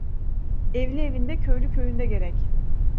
Evli evinde köylü köyünde gerek.